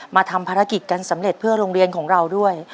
มาทำภารกิจกันสำเร็จเพื่อโรงเรียนของเราด้วย